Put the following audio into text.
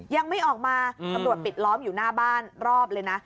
ยังไม่ออกมาตำรวจปิดล้อมอยู่หน้าบ้านรอบเลยนะ